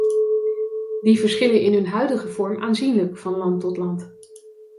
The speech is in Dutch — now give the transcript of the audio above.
Die verschillen in hun huidige vorm aanzienlijk van land tot land.